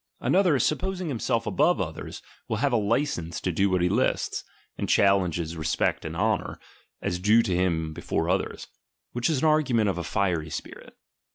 Another, supposing himself above others, will have a license to do what he lists, and challenges re spect and honour, as due to him before others ; wliich is an argument of a fiery spirit.